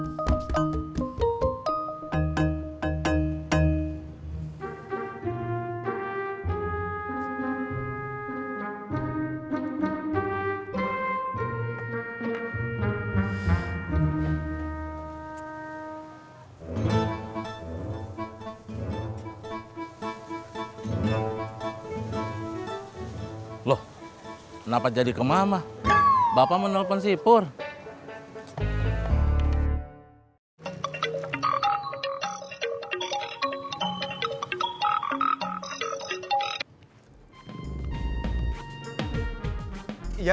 soalnya buruan belanja